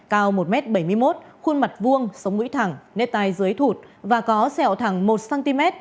cao một m bảy mươi một khuôn mặt vuông sống mũi thẳng nếp tai dưới thụt và có sẹo thẳng một cm